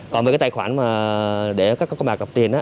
còn về cái tài khoản để các con bạc đọc tiền